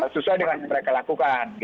sesuai dengan yang mereka lakukan